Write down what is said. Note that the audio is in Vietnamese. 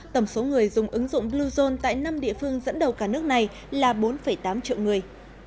tổng số người dùng ứng dụng bluezone tại năm địa phương dẫn đầu cả nước này là bốn tám triệu người